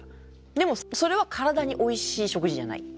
でもそれは体においしい食事じゃない。